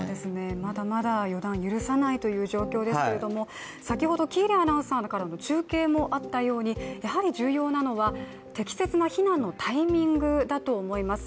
まだまだ予断を許さないという状況ですけれども先ほど喜入アナウンサーからの中継もあったように、やはり重要なのは適切な避難のタイミングだと思います。